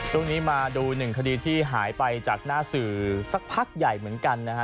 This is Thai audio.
หลุงนี้มาดู๑คดีที่หายไปจากหน้าสื่อสักพักใหญ่เหมือนกันนะครับ